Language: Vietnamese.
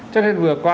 cho nên vừa qua